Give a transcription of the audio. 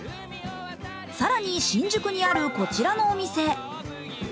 更に、新宿にある、こちらのお店。